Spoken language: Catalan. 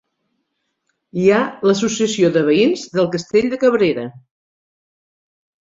Hi ha l'Associació de Veïns del Castell de Cabrera.